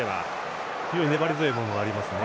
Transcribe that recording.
非常に粘り強いものがありますね。